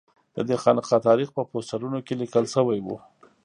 ددې خانقا تاریخ په پوسټرونو کې لیکل شوی و.